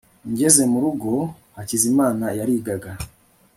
ngeze mu rugo, hakizimana yarigaga